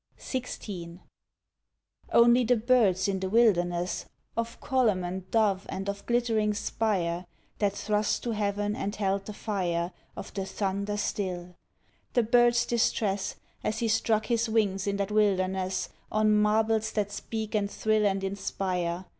XVI. Only the birds in the wilderness Of column and dome and of glittering spire That thrust to heaven and held the fire Of the thunder still: The bird’s distress As he struck his wings in that wilderness, On marbles that speak and thrill and inspire.